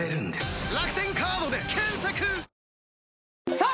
さあ